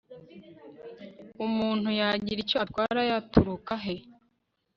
umuntu wagira icyo antwara yaturuka he